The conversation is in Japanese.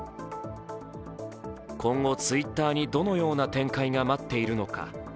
今後、Ｔｗｉｔｔｅｒにどのような展開が待っているのか。